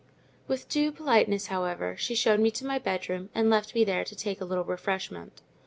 With due politeness, however, she showed me my bedroom, and left me there to take a little refreshment.